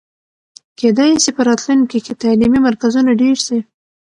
کېدای سي په راتلونکي کې تعلیمي مرکزونه ډېر سي.